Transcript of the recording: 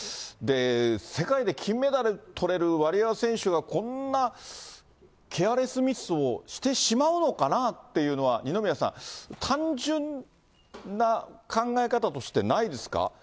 で、世界で金メダルとれるワリエワ選手が、こんなケアレスミスをしてしまうのかなぁっていうのは、二宮さん、単純な考え方としてないですか？